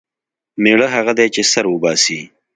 مېړه هغه دی چې سر وباسي.